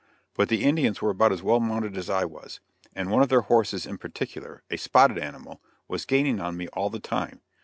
But the Indians were about as well mounted as I was, and one of their horses in particular a spotted animal was gaining on me all the time.